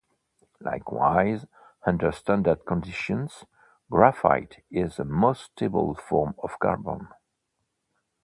Likewise, under standard conditions, graphite is the most stable form of carbon.